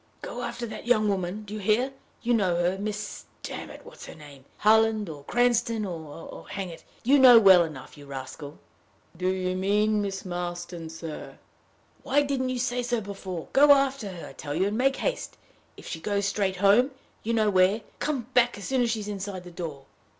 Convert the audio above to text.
"Go after that young woman do you hear? You know her Miss damn it, what's her name? Harland or Cranston, or oh, hang it! you know well enough, you rascal!" "Do you mean Miss Marston, sir?" "Of course I do! Why didn't you say so before? Go after her, I tell you; and make haste. If she goes straight home you know where come back as soon as she's inside the door."